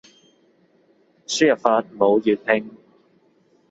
輸入法冇粵拼